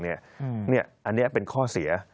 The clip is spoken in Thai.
อันนี้เป็นข้อเสีย